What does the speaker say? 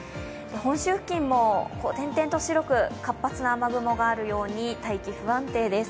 本州付近も点々と白く活発な雨雲があるように大気不安定です。